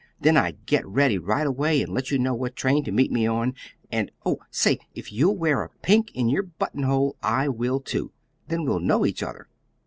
Then I'd get ready right away and let you know what train to meet me on. And, oh, say if you'll wear a pink in your buttonhole I will, too. Then we'll know each other.